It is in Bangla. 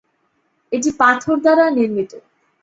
এটি পাথর দ্বারা নির্মিত।